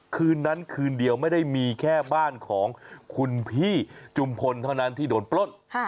คืนนั้นคืนเดียวไม่ได้มีแค่บ้านของคุณพี่จุมพลเท่านั้นที่โดนปล้น